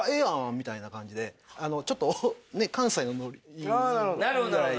みたいな感じでちょっと関西のノリぐらい。